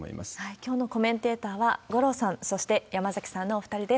きょうのコメンテーターは、五郎さん、そして山崎さんのお２人です。